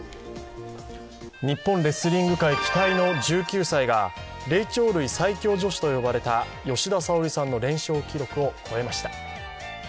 日本レスリング界期待の１９歳が霊長類最強女子と呼ばれた吉田沙保里さんの連勝記録を超えました。